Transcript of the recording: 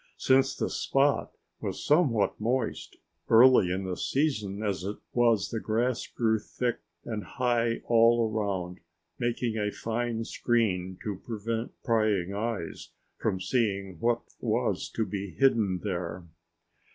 Since the spot was somewhat moist, early in the season as it was the grass grew thick and high all around, making a fine screen to prevent prying eyes from seeing what was to be hidden there.